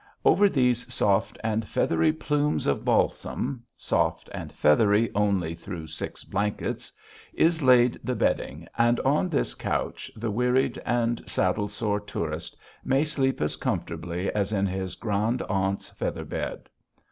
Over these soft and feathery plumes of balsam soft and feathery only through six blankets is laid the bedding, and on this couch the wearied and saddle sore tourist may sleep as comfortably as in his grandaunt's feather bed.